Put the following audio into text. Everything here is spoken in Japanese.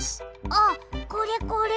あっこれ